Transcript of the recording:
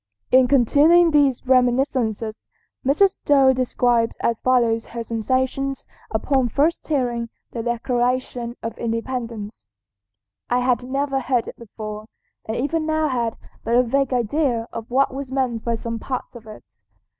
In continuing these reminiscences Mrs. Stowe describes as follows her sensations upon first hearing the Declaration of Independence: "I had never heard it before, and even now had but a vague idea of what was meant by some parts of it.